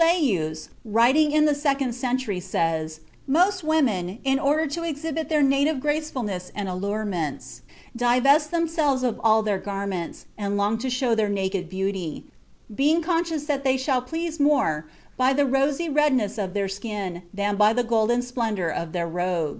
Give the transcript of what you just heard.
Apuleius, writing in the second century, says: "Most women, in order to exhibit their native gracefulness and allurements, divest themselves of all their garments, and long to show their naked beauty, being conscious that they shall please more by the rosy redness of their skin than by the golden splendor of their robes."